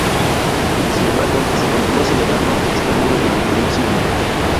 Sin embargo, se continuó celebrando extramuros durante un siglo.